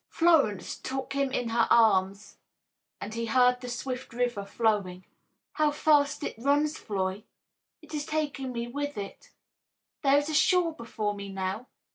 Florence took him in her arms and he heard the swift river flowing. "How fast it runs, Floy! It is taking me with it. There is a shore before me now.